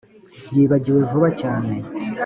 yibagiwe vuba cyane